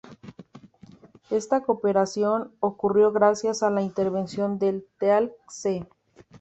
Esta cooperación ocurrió gracias a la intervención de Teal'c.